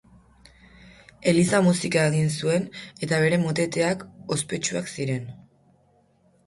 Eliza-musika egin zuen eta bere moteteak ospetsuak ziren.